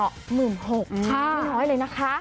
ขึ้นหายเลยนะคะ